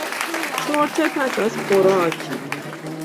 چرت پس از خوراک